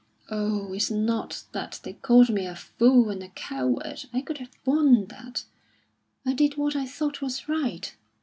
"Oh, it's not that they called me a fool and a coward I could have borne that. I did what I thought was right.